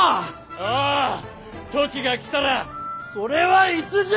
ああ時が来たら！それはいつじゃ？